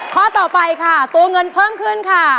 ข้อต่อไปค่ะตัวเงินเพิ่มขึ้นค่ะ